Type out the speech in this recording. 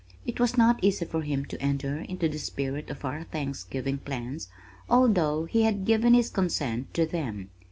It was not easy for him to enter into the spirit of our Thanksgiving plans although he had given his consent to them.